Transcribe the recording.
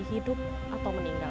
hidup atau meninggal